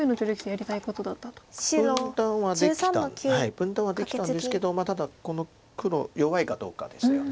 はい分断はできたんですけどただこの黒弱いかどうかですよね。